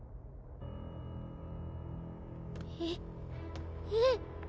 えっえっ？